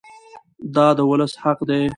دا د ولس حق دی.